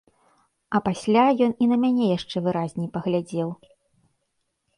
А пасля ён і на мяне яшчэ выразней паглядзеў.